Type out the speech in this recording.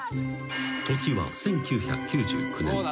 ［時は１９９９年］